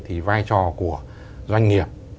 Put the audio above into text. thì vai trò của doanh nghiệp